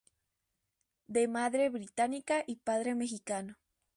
De madre británica y padre mexicano.